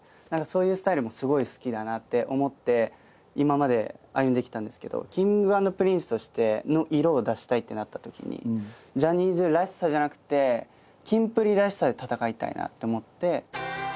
そういうスタイルもすごい好きだなって思って今まで歩んできたんですけど。ってなったときにジャニーズらしさじゃなくてキンプリらしさで戦いたいなって思って。